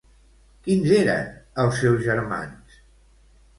Quins eren els seus germans?